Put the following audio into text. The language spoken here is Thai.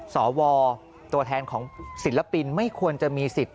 สวตัวแทนของศิลปินไม่ควรจะมีสิทธิ